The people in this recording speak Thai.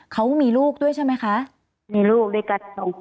เขามีลูกด้วยใช่ไหมคะ